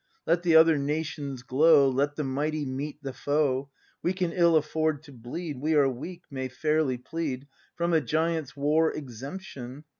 Let the other nations glow. Let the mighty meet the foe. We can ill afford to bleed, — We are weak, may fairly plead From a giants' war exemption.